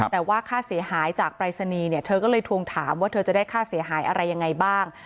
แต่ว่าค่าเสียหายจากปรายศนีย์เนี่ยเธอก็เลยทวงถามว่าเธอจะได้ค่าเสียหายอะไรยังไงบ้าง